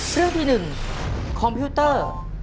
เรื่องที่๑คอมพิวเตอร์